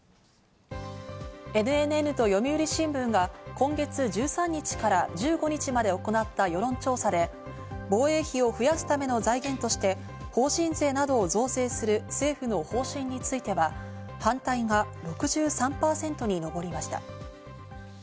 ＮＮＮと読売新聞が今月１３日から１５日まで行った世論調査で、防衛費を増やすための財源として、法人税などを増税する政府の方針については反対が６３％にのぼりました。